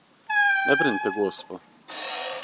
Не брините, госпо.